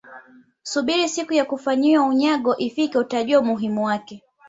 subiri siku ya kufanyiwa unyago ifike utajua umuhimu wake